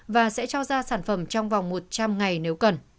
và sẽ cho ra sản phẩm trong vòng một trăm linh ngày nếu cần